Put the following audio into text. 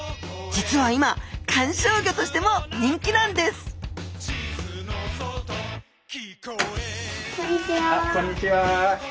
実は今観賞魚としても人気なんですこんにちは。